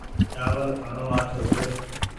چآوڙ کآڻو آڇو ڇي ۔